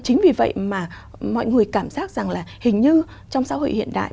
chính vì vậy mà mọi người cảm giác rằng là hình như trong xã hội hiện đại